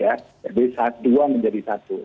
ya jadi dua menjadi satu